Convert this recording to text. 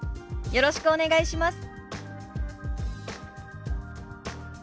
よろしくお願いします。